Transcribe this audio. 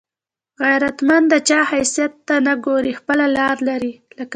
غیرتمند د چا حیثیت ته نه ګوري، خپله لار لري